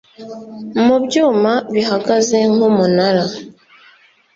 mu byuma bihagaze nk'umunara